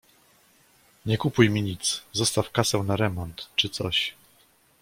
Nie kupuj mi nic, zostaw kasę na remont czy coś.